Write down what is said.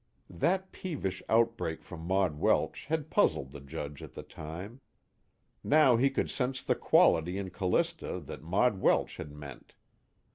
_" That peevish outbreak from Maud Welsh had puzzled the Judge at the time. Now he could sense the quality in Callista that Maud Welsh had meant.